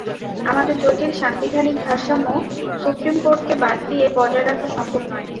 আমাদের জটিল সাংবিধানিক ভারসাম্য সুপ্রিম কোর্টকে বাদ দিয়ে বজায় রাখা সম্ভব নয়।